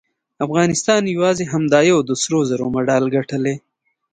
افغانستان یواځې همدا یو د سرو زرو مډال ګټلی